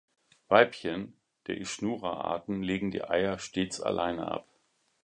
Weibchen der "Ischnura"-Arten legen die Eier stets alleine ab.